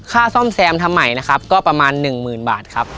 ซ่อมแซมทำใหม่นะครับก็ประมาณ๑๐๐๐บาทครับ